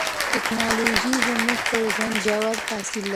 ټکنالوژي زموږ پر ژوند ژور تاثیر لري.